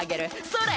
それ！